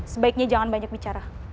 sebaiknya jangan banyak bicara